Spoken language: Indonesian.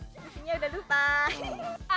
susunya udah lupa